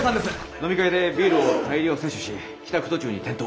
飲み会でビールを大量摂取し帰宅途中に転倒。